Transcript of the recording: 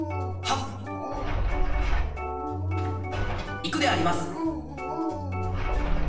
いくであります。